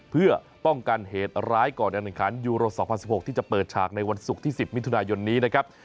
เพื่อป้องกันเหตุร้ายก่อนการแข่งขันยูโร๒๐๑๖ที่จะเปิดฉากในวันศุกร์ที่๑๐มิถุนายนนี้นะครับ